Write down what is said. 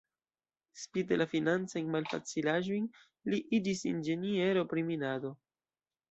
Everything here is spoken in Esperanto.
Spite la financajn malfacilaĵojn li iĝis inĝeniero pri minado.